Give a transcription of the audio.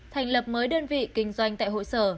thành lập mới đơn vị kinh doanh tại hội sở